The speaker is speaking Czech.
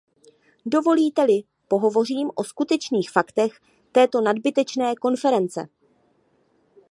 Dovolíte-li, pohovořím o skutečných faktech této nadbytečné konference.